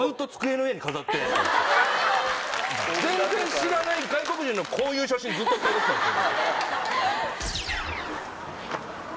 全然知らない外国人のこういう写真ずっと飾ってたんですよ。